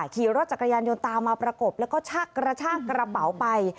ขี่รถจักรยานยนต์ตามมาประกบแล้วก็ชักกระชากกระเป๋าไป